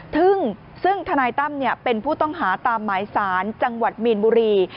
ซึ่งทนายตั้มเป็นผู้ต้องหาตามหมายสารจังหวัดมีนบุรี